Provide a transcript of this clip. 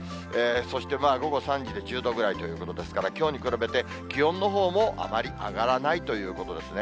そして午後３時で１０度ぐらいということですから、きょうに比べて気温のほうもあまり上がらないということですね。